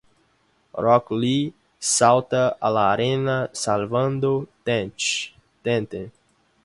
Rock Lee salta a la arena salvando Tenten.